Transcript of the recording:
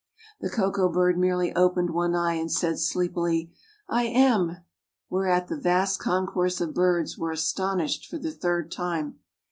The Koko bird merely opened one eye and said sleepily, "I am," whereat the vast concourse of birds were astonished for the third time.